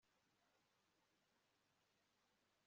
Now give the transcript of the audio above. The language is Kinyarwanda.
igihugu cyose cya sihoni